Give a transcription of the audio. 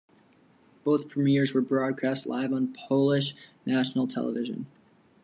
Both premieres were broadcast live on Polish national television.